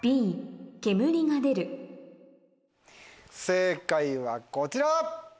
正解はこちら。